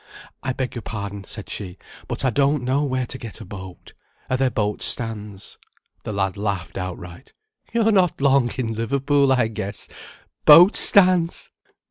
"I beg your pardon," said she, "but I don't know where to get a boat. Are there boat stands?" The lad laughed outright. "You're not long in Liverpool, I guess. Boat stands!